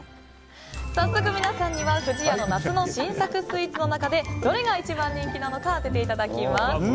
皆さんには不二家の夏の新作スイーツの中でどれが一番人気なのか当てていただきます。